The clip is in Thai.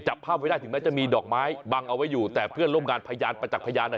จับภาพไว้ได้ถึงแม้จะมีดอกไม้บังเอาไว้อยู่แต่เพื่อนร่วมงานพยานประจักษ์พยานอ่ะ